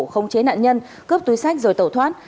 không chế nạn nhân cướp túi sách rồi tẩu thoát